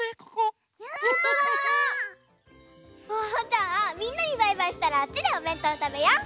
じゃあみんなにバイバイしたらあっちでおべんとうたべよう。